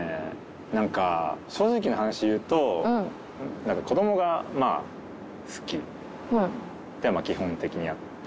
何か正直な話言うと子供がまあ好きってまあ基本的にあって。